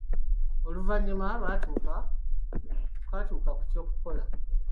Oluvannyuma baatuuka ku ky'okukola.